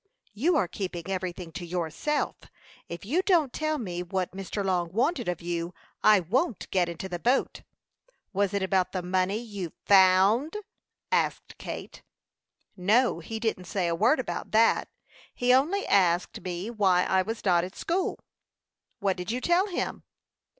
"You are keeping everything to yourself. If you don't tell me what Mr. Long wanted of you, I won't get into the boat. Was it about the money you found?" asked Kate. "No; he didn't say a word about that. He only asked me why I was not at school." "What did you tell him?"